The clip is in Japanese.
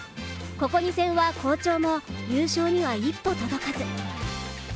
ここ２戦は好調も優勝には一歩届かず。